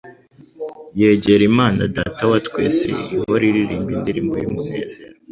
Yegera Imana Data wa twese ihora iririmba indirimbo y'umunezero,